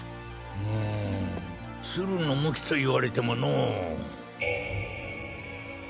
うん鶴の向きと言われてものォ。